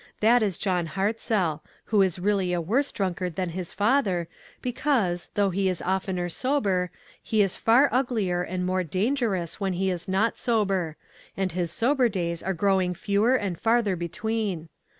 That is John Hartzell, who is really a worse drunkard than his father, because, though he is oftener sober, he is far uglier and more dangerous when he is not sober ; and his sober days are growing fewer and farther between.